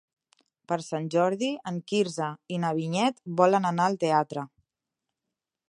Per Sant Jordi en Quirze i na Vinyet volen anar al teatre.